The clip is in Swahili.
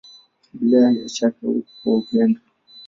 Bila ya shaka kwa upendo.